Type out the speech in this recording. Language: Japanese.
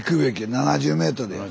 ７０メートル。